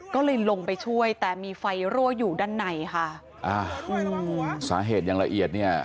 ก็เลยลงไปช่วยแต่มีไฟรั่วอยู่ด้านในค่ะอ่าอืมสาเหตุอย่างละเอียดเนี่ย